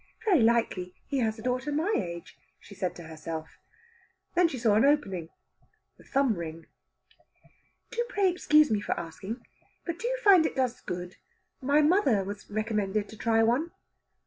"Very likely he has a daughter my age," said she to herself. Then she saw an opening the thumb ring. "Do pray excuse me for asking, but do you find it does good? My mother was recommended to try one."